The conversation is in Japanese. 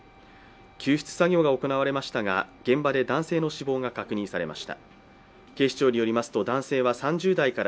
救出作業が行われましたが、現場で男性の死亡が確認されまし